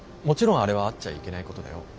もちろんあれはあっちゃいけないことだよ？